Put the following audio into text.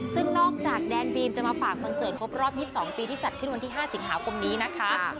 ซึ่งนอกจากแดนบีมจะมาฝากคอนเสิร์ตครบรอบ๒๒ปีที่จัดขึ้นวันที่๕สิงหาคมนี้นะคะ